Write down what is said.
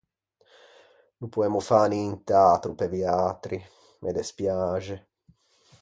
No poemmo fâ nint’atro pe viatri, me despiaxe.